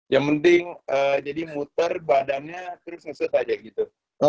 yang penting jadi muter badannya terus ngeset aja gitu